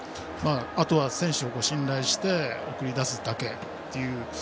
あとは、選手を信頼して送り出すだけという。